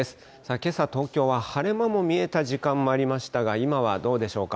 けさ、東京は晴れ間も見えた時間もありましたが、今はどうでしょうか。